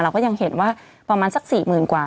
ก็ยังเห็นว่าประมาณสัก๔๐๐๐กว่า